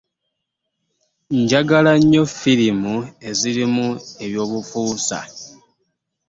Njafgla nnyo firimu ezirimu eby'obufuusa ..